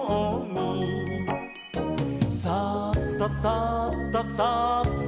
「そっとそっとそっと」